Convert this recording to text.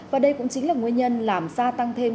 và đây cũng chính là nguyên nhân làm gia tăng thêm